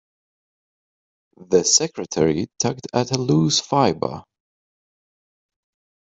The secretary tugged at a loose fibre.